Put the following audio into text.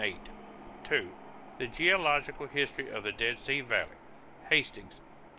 (2) The Geological History of the Dead Sea Valley. Hastings, _Dict.